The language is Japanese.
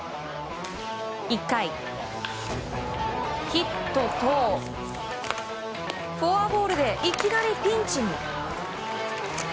１回、ヒットとフォアボールでいきなりピンチに。